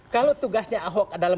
kalau tugasnya ahok adalah